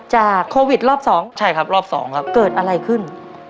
โควิดรอบสองใช่ครับรอบสองครับเกิดอะไรขึ้น